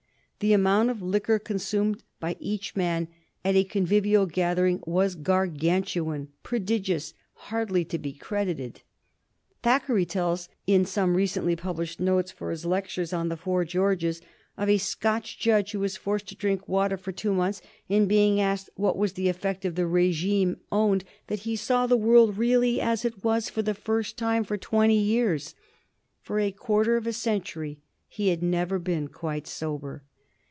The amount of liquor consumed by each man at a convivial gathering was Gargantuan, prodigious, hardly to be credited. Thackeray tells, in some recently published notes for his lectures on the four Georges, of a Scotch judge who was forced to drink water for two months, and being asked what was the effect of the régime, owned that he saw the world really as it was for the first time for twenty years. For a quarter of a century he had never been quite sober.